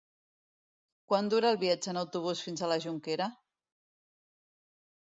Quant dura el viatge en autobús fins a la Jonquera?